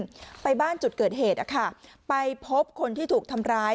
อะไรขึ้นไปบ้านจุดเกิดเหตุค่ะไปพบคนที่ถูกทำร้าย